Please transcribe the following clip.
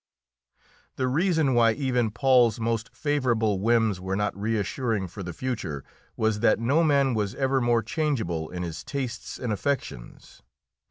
The reason why even Paul's most favourable whims were not reassuring for the future was that no man was ever more changeable in his tastes and affections.